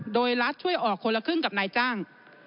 โดยรัฐช่วยออกคนละครึ่งกับนายจ้าง